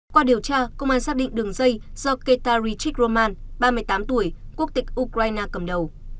qua điều tra công an xác định đường dây do ketarichik roman ba mươi tám tuổi quốc tịch ukraine cầm đầu